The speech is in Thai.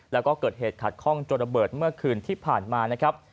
แล้วก็เกิดเหตุขัดข้องจนระเบิดเมื่อคืนที่ผ่านมานะครับ